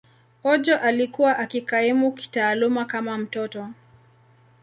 Ojo alikuwa akikaimu kitaaluma kama mtoto.